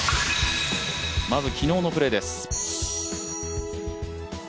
まず昨日のプレーです。